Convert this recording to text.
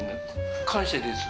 感謝ですよ。